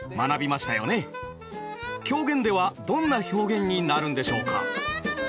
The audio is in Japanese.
狂言ではどんな表現になるんでしょうか？